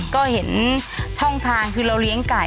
ก็เห็นช่องทางคือเราเลี้ยงไก่